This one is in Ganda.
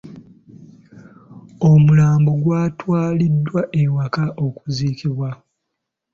Omulambo gwatwaliddwa ewaka okuziikibwa.